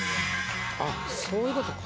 あっそういうことか。